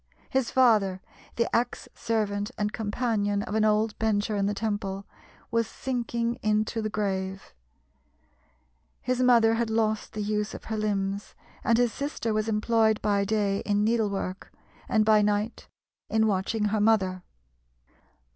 His father, the ex servant and companion of an old Bencher in the Temple, was sinking into the grave; his mother had lost the use of her limbs, and his sister was employed by day in needlework, and by night in watching her mother.